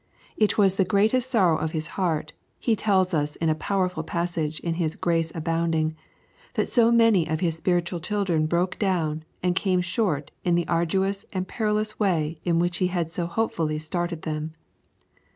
It was the greatest sorrow of his heart, he tells us in a powerful passage in his Grace Abounding, that so many of his spiritual children broke down and came short in the arduous and perilous way in which he had so hopefully started them.